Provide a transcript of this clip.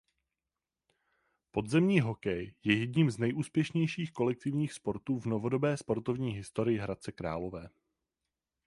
Podzemní hokej je jedním z nejúspěšnějších kolektivních sportů v novodobé sportovní historii Hradce Králové.